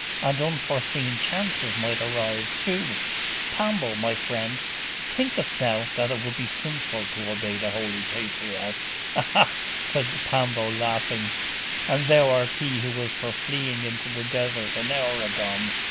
And unforeseen chances might arise, too .... Pambo, my friend, thinkest thou that it would be sinful to obey the Holy Patriarch?' 'Aha!' said Pambo, laughing, 'and thou art he who was for fleeing into the desert an hour agone!